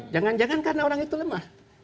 jangan jangan karena orang itu lemah